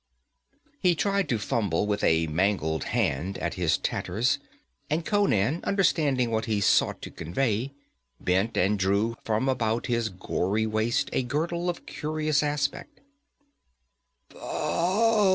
He tried to fumble with a mangled hand at his tatters, and Conan, understanding what he sought to convey, bent and drew from about his gory waist a girdle of curious aspect.